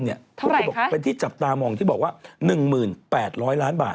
เท่าไรคะเป็นที่จับตามองที่บอกว่า๑หมื่น๘๐๐ล้านบาท